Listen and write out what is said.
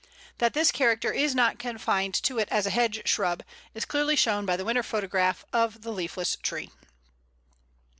That this character is not confined to it as a hedge shrub is clearly shown by the winter photograph of the leafless tree.